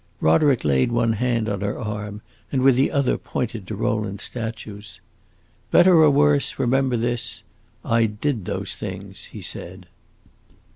Roderick laid one hand on her arm and with the other pointed to Rowland's statues. "Better or worse, remember this: I did those things!" he said.